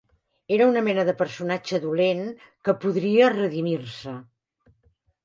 Era una mena de personatge dolent que podria redimir-se.